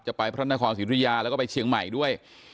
ไปพระนครศิริยาแล้วก็ไปเชียงใหม่ด้วย